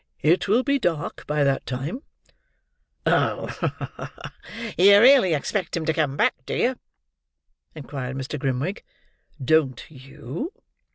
"It will be dark by that time." "Oh! you really expect him to come back, do you?" inquired Mr. Grimwig. "Don't you?"